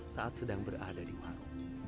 saat sedang berada di warung